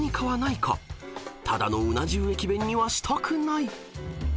［ただのうな重駅弁にはしたくない］